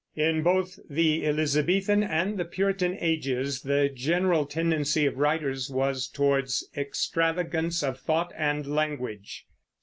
In both the Elizabethan and the Puritan ages the general tendency of writers was towards extravagance of thought and language.